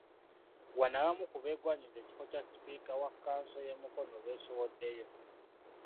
Wano abamu ku beegwanyiza ekifo kya Sipiika wa kkanso y'e Mukono beesowoddeyo.